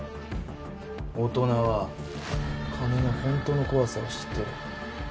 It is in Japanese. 大人は金の本当の怖さを知ってる。